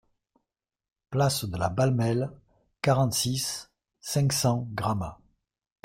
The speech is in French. Place de la Balmelle, quarante-six, cinq cents Gramat